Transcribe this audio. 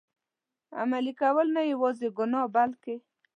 عملي کول، نه یوازي ګناه بلکه.